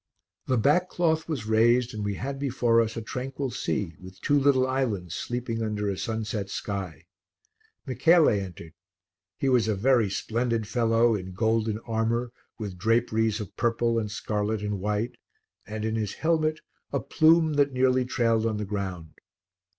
The back cloth was raised and we had before us a tranquil sea with two little islands sleeping under a sunset sky. Michele entered; he was a very splendid fellow in golden armour with draperies of purple and scarlet and white, and in his helmet a plume that nearly trailed on the ground.